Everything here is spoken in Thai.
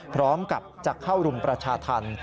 พร้อมกับจะเข้ารุมประชาธรรม